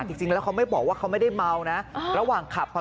จริงแล้วเขาไม่บอกว่าเขาไม่ได้เมานะ